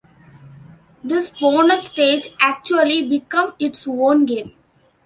This bonus stage actually became its own game.